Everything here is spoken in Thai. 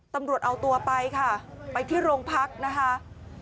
ตำรวจเอาตัวไปค่ะไปที่โรงพักนะคะ